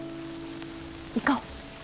行こう。